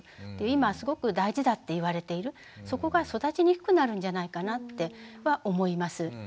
今すごく大事だって言われているそこが育ちにくくなるんじゃないかなって思います。